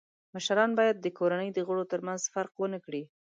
مشران باید د کورنۍ د غړو تر منځ فرق و نه کړي.